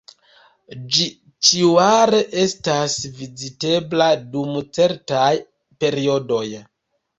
Ĝi ĉiujare estas vizitebla dum certaj periodoj.